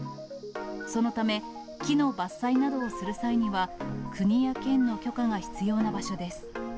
そのため、木の伐採などをする際には、国や県の許可が必要な場所です。